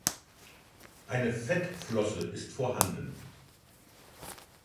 Eine Fettflosse ist vorhanden.